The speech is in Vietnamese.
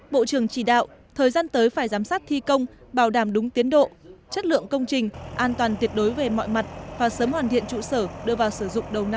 bộ trưởng chỉ đạo thời gian tới phải giám sát thi công bảo đảm đúng tiến độ chất lượng công trình an toàn tuyệt đối về mọi mặt và sớm hoàn thiện trụ sở đưa vào sử dụng đầu năm hai nghìn hai